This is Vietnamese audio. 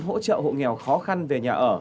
hỗ trợ hộ nghèo khó khăn về nhà ở